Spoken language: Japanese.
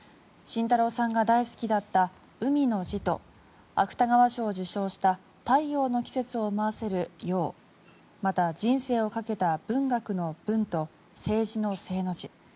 慎太郎さんが大好きだった海の字と芥川賞を受賞した「太陽の季節」を思わせる陽また人生をかけた文学の文と政治の政の字。